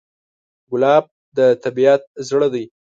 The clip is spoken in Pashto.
ګلاب د طبیعت زړه دی.